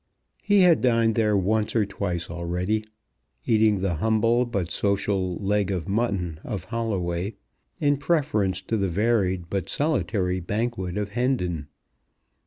He had dined there once or twice already, eating the humble, but social, leg of mutton of Holloway, in preference to the varied, but solitary, banquet of Hendon.